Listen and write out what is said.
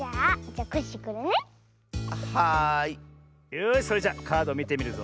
よしそれじゃカードみてみるぞ。